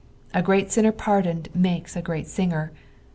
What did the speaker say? A great sinner pardoned makes a great singer.